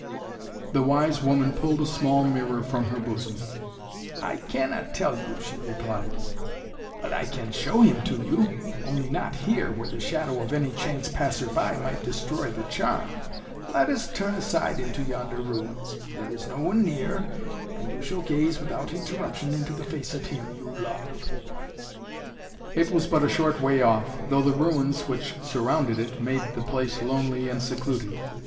The wise woman pulled a small mirror from her bosom. "I cannot tell you," she replied. "But I can show him to you. Only not here, where the shadow of any chance passer by might destroy the charm. Let us turn aside into yonder ruins. There is no one near, and you shall gaze without interruption into the face of him you love " It was but a short way off, though the ruins which surrounded it made the place lonely and secluded.